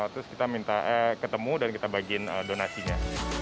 terus kita minta ketemu dan kita bagiin donasinya